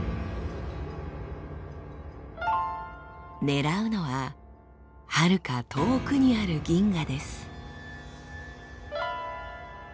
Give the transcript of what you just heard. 狙うのははるか遠くにある銀河です。